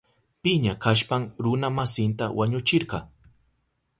Piña kashpan runa masinta wañuchirka.